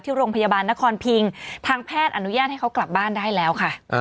ที่โรงพยาบาลนครพิงทางแพทย์อนุญาตให้เขากลับบ้านได้แล้วค่ะ